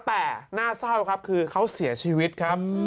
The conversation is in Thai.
แต่น่าเศร้าครับคือเขาเสียชีวิตครับ